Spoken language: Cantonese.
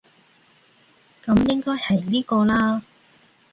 噉應該係呢個喇